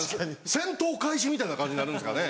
戦闘開始みたいな感じになるんですかね。